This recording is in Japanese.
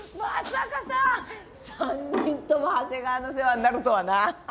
さかさ３人とも長谷川の世話になるとはな。